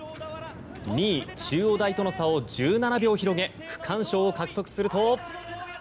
２位、中央大との差を１７秒広げ区間賞を獲得すると。